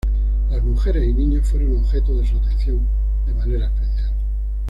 Las mujeres y niños fueron objeto de su atención de manera especial.